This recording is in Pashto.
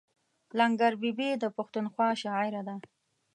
لنګر بي بي د پښتونخوا شاعره ده.